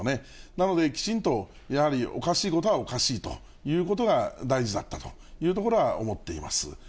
なのできちんと、やはりおかしいことはおかしいということが大事だったというところは思っています。